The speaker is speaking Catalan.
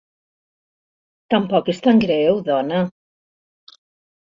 Tampoc és tan greu, dona!